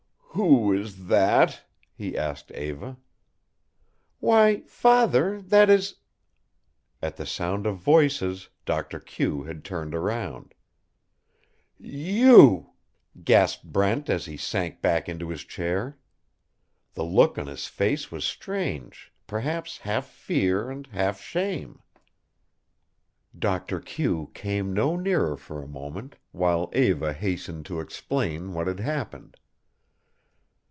"Who is that?" he asked Eva. "Why, father, that is " At the sound of voices Doctor Q had turned around. "You!" gasped Brent, as he sank back into his chair. The look on his face was strange, perhaps half fear, half shame. Doctor Q came no nearer for a moment, while Eva hastened to explain what had happened.